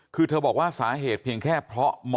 คือเธอบอกว่าสาเหตุเพียงแค่เพราะ